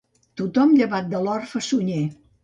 Tothom llevat de l'orfe Sunyer.